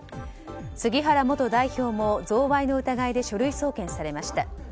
杉原元代表も贈賄の疑いで書類送検されました。